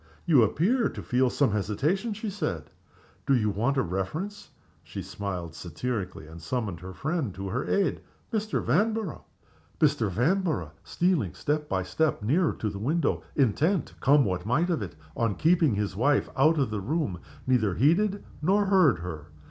"You appear to feel some hesitation," she said. "Do you want a reference?" She smiled satirically, and summoned her friend to her aid. "Mr. Vanborough!" Mr. Vanborough, stealing step by step nearer to the window intent, come what might of it, on keeping his wife out of the room neither heeded nor heard her.